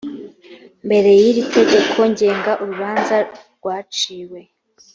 mbere y iri tegeko ngenga urubanza rwaciwe